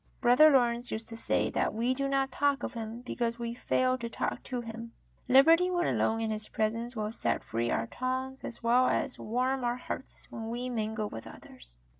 Brother Lawrence used to say that we do not talk of Him because w^e fail to talk to Him. Liberty when alone in His presence will set free our tongues as well as warm our hearts when we mingle with others.